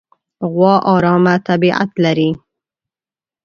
غوا ارامه طبیعت لري.